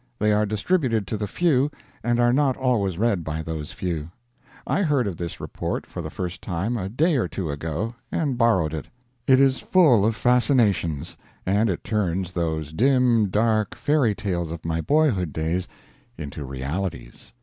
They are distributed to the few, and are not always read by those few. I heard of this Report for the first time a day or two ago, and borrowed it. It is full of fascinations; and it turns those dim, dark fairy tales of my boyhood days into realities.